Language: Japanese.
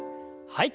はい。